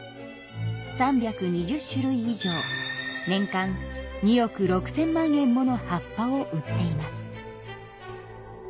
３２０種類以上年間２億６千万円もの葉っぱを売っています。